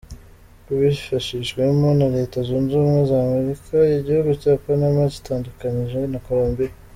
Kibifashijwemo na Leta zunze ubumwe za Amerika, igihugu cya Panama cyitandukanyije na Colombia.